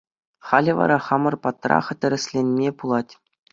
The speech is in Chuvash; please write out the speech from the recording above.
Халӗ вара хамӑр патрах тӗрӗсленме пулать.